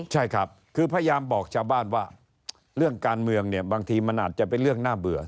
ใช่ครับคือพยายามบอกชาวบ้านว่าเรื่องการเมืองเนี่ยบางทีมันอาจจะเป็นเรื่องน่าเบื่อ